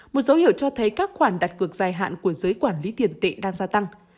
một dấu hiệu cho thấy các khoản đặt cược dài hạn của giới quản lý tiền tệ đang gia tăng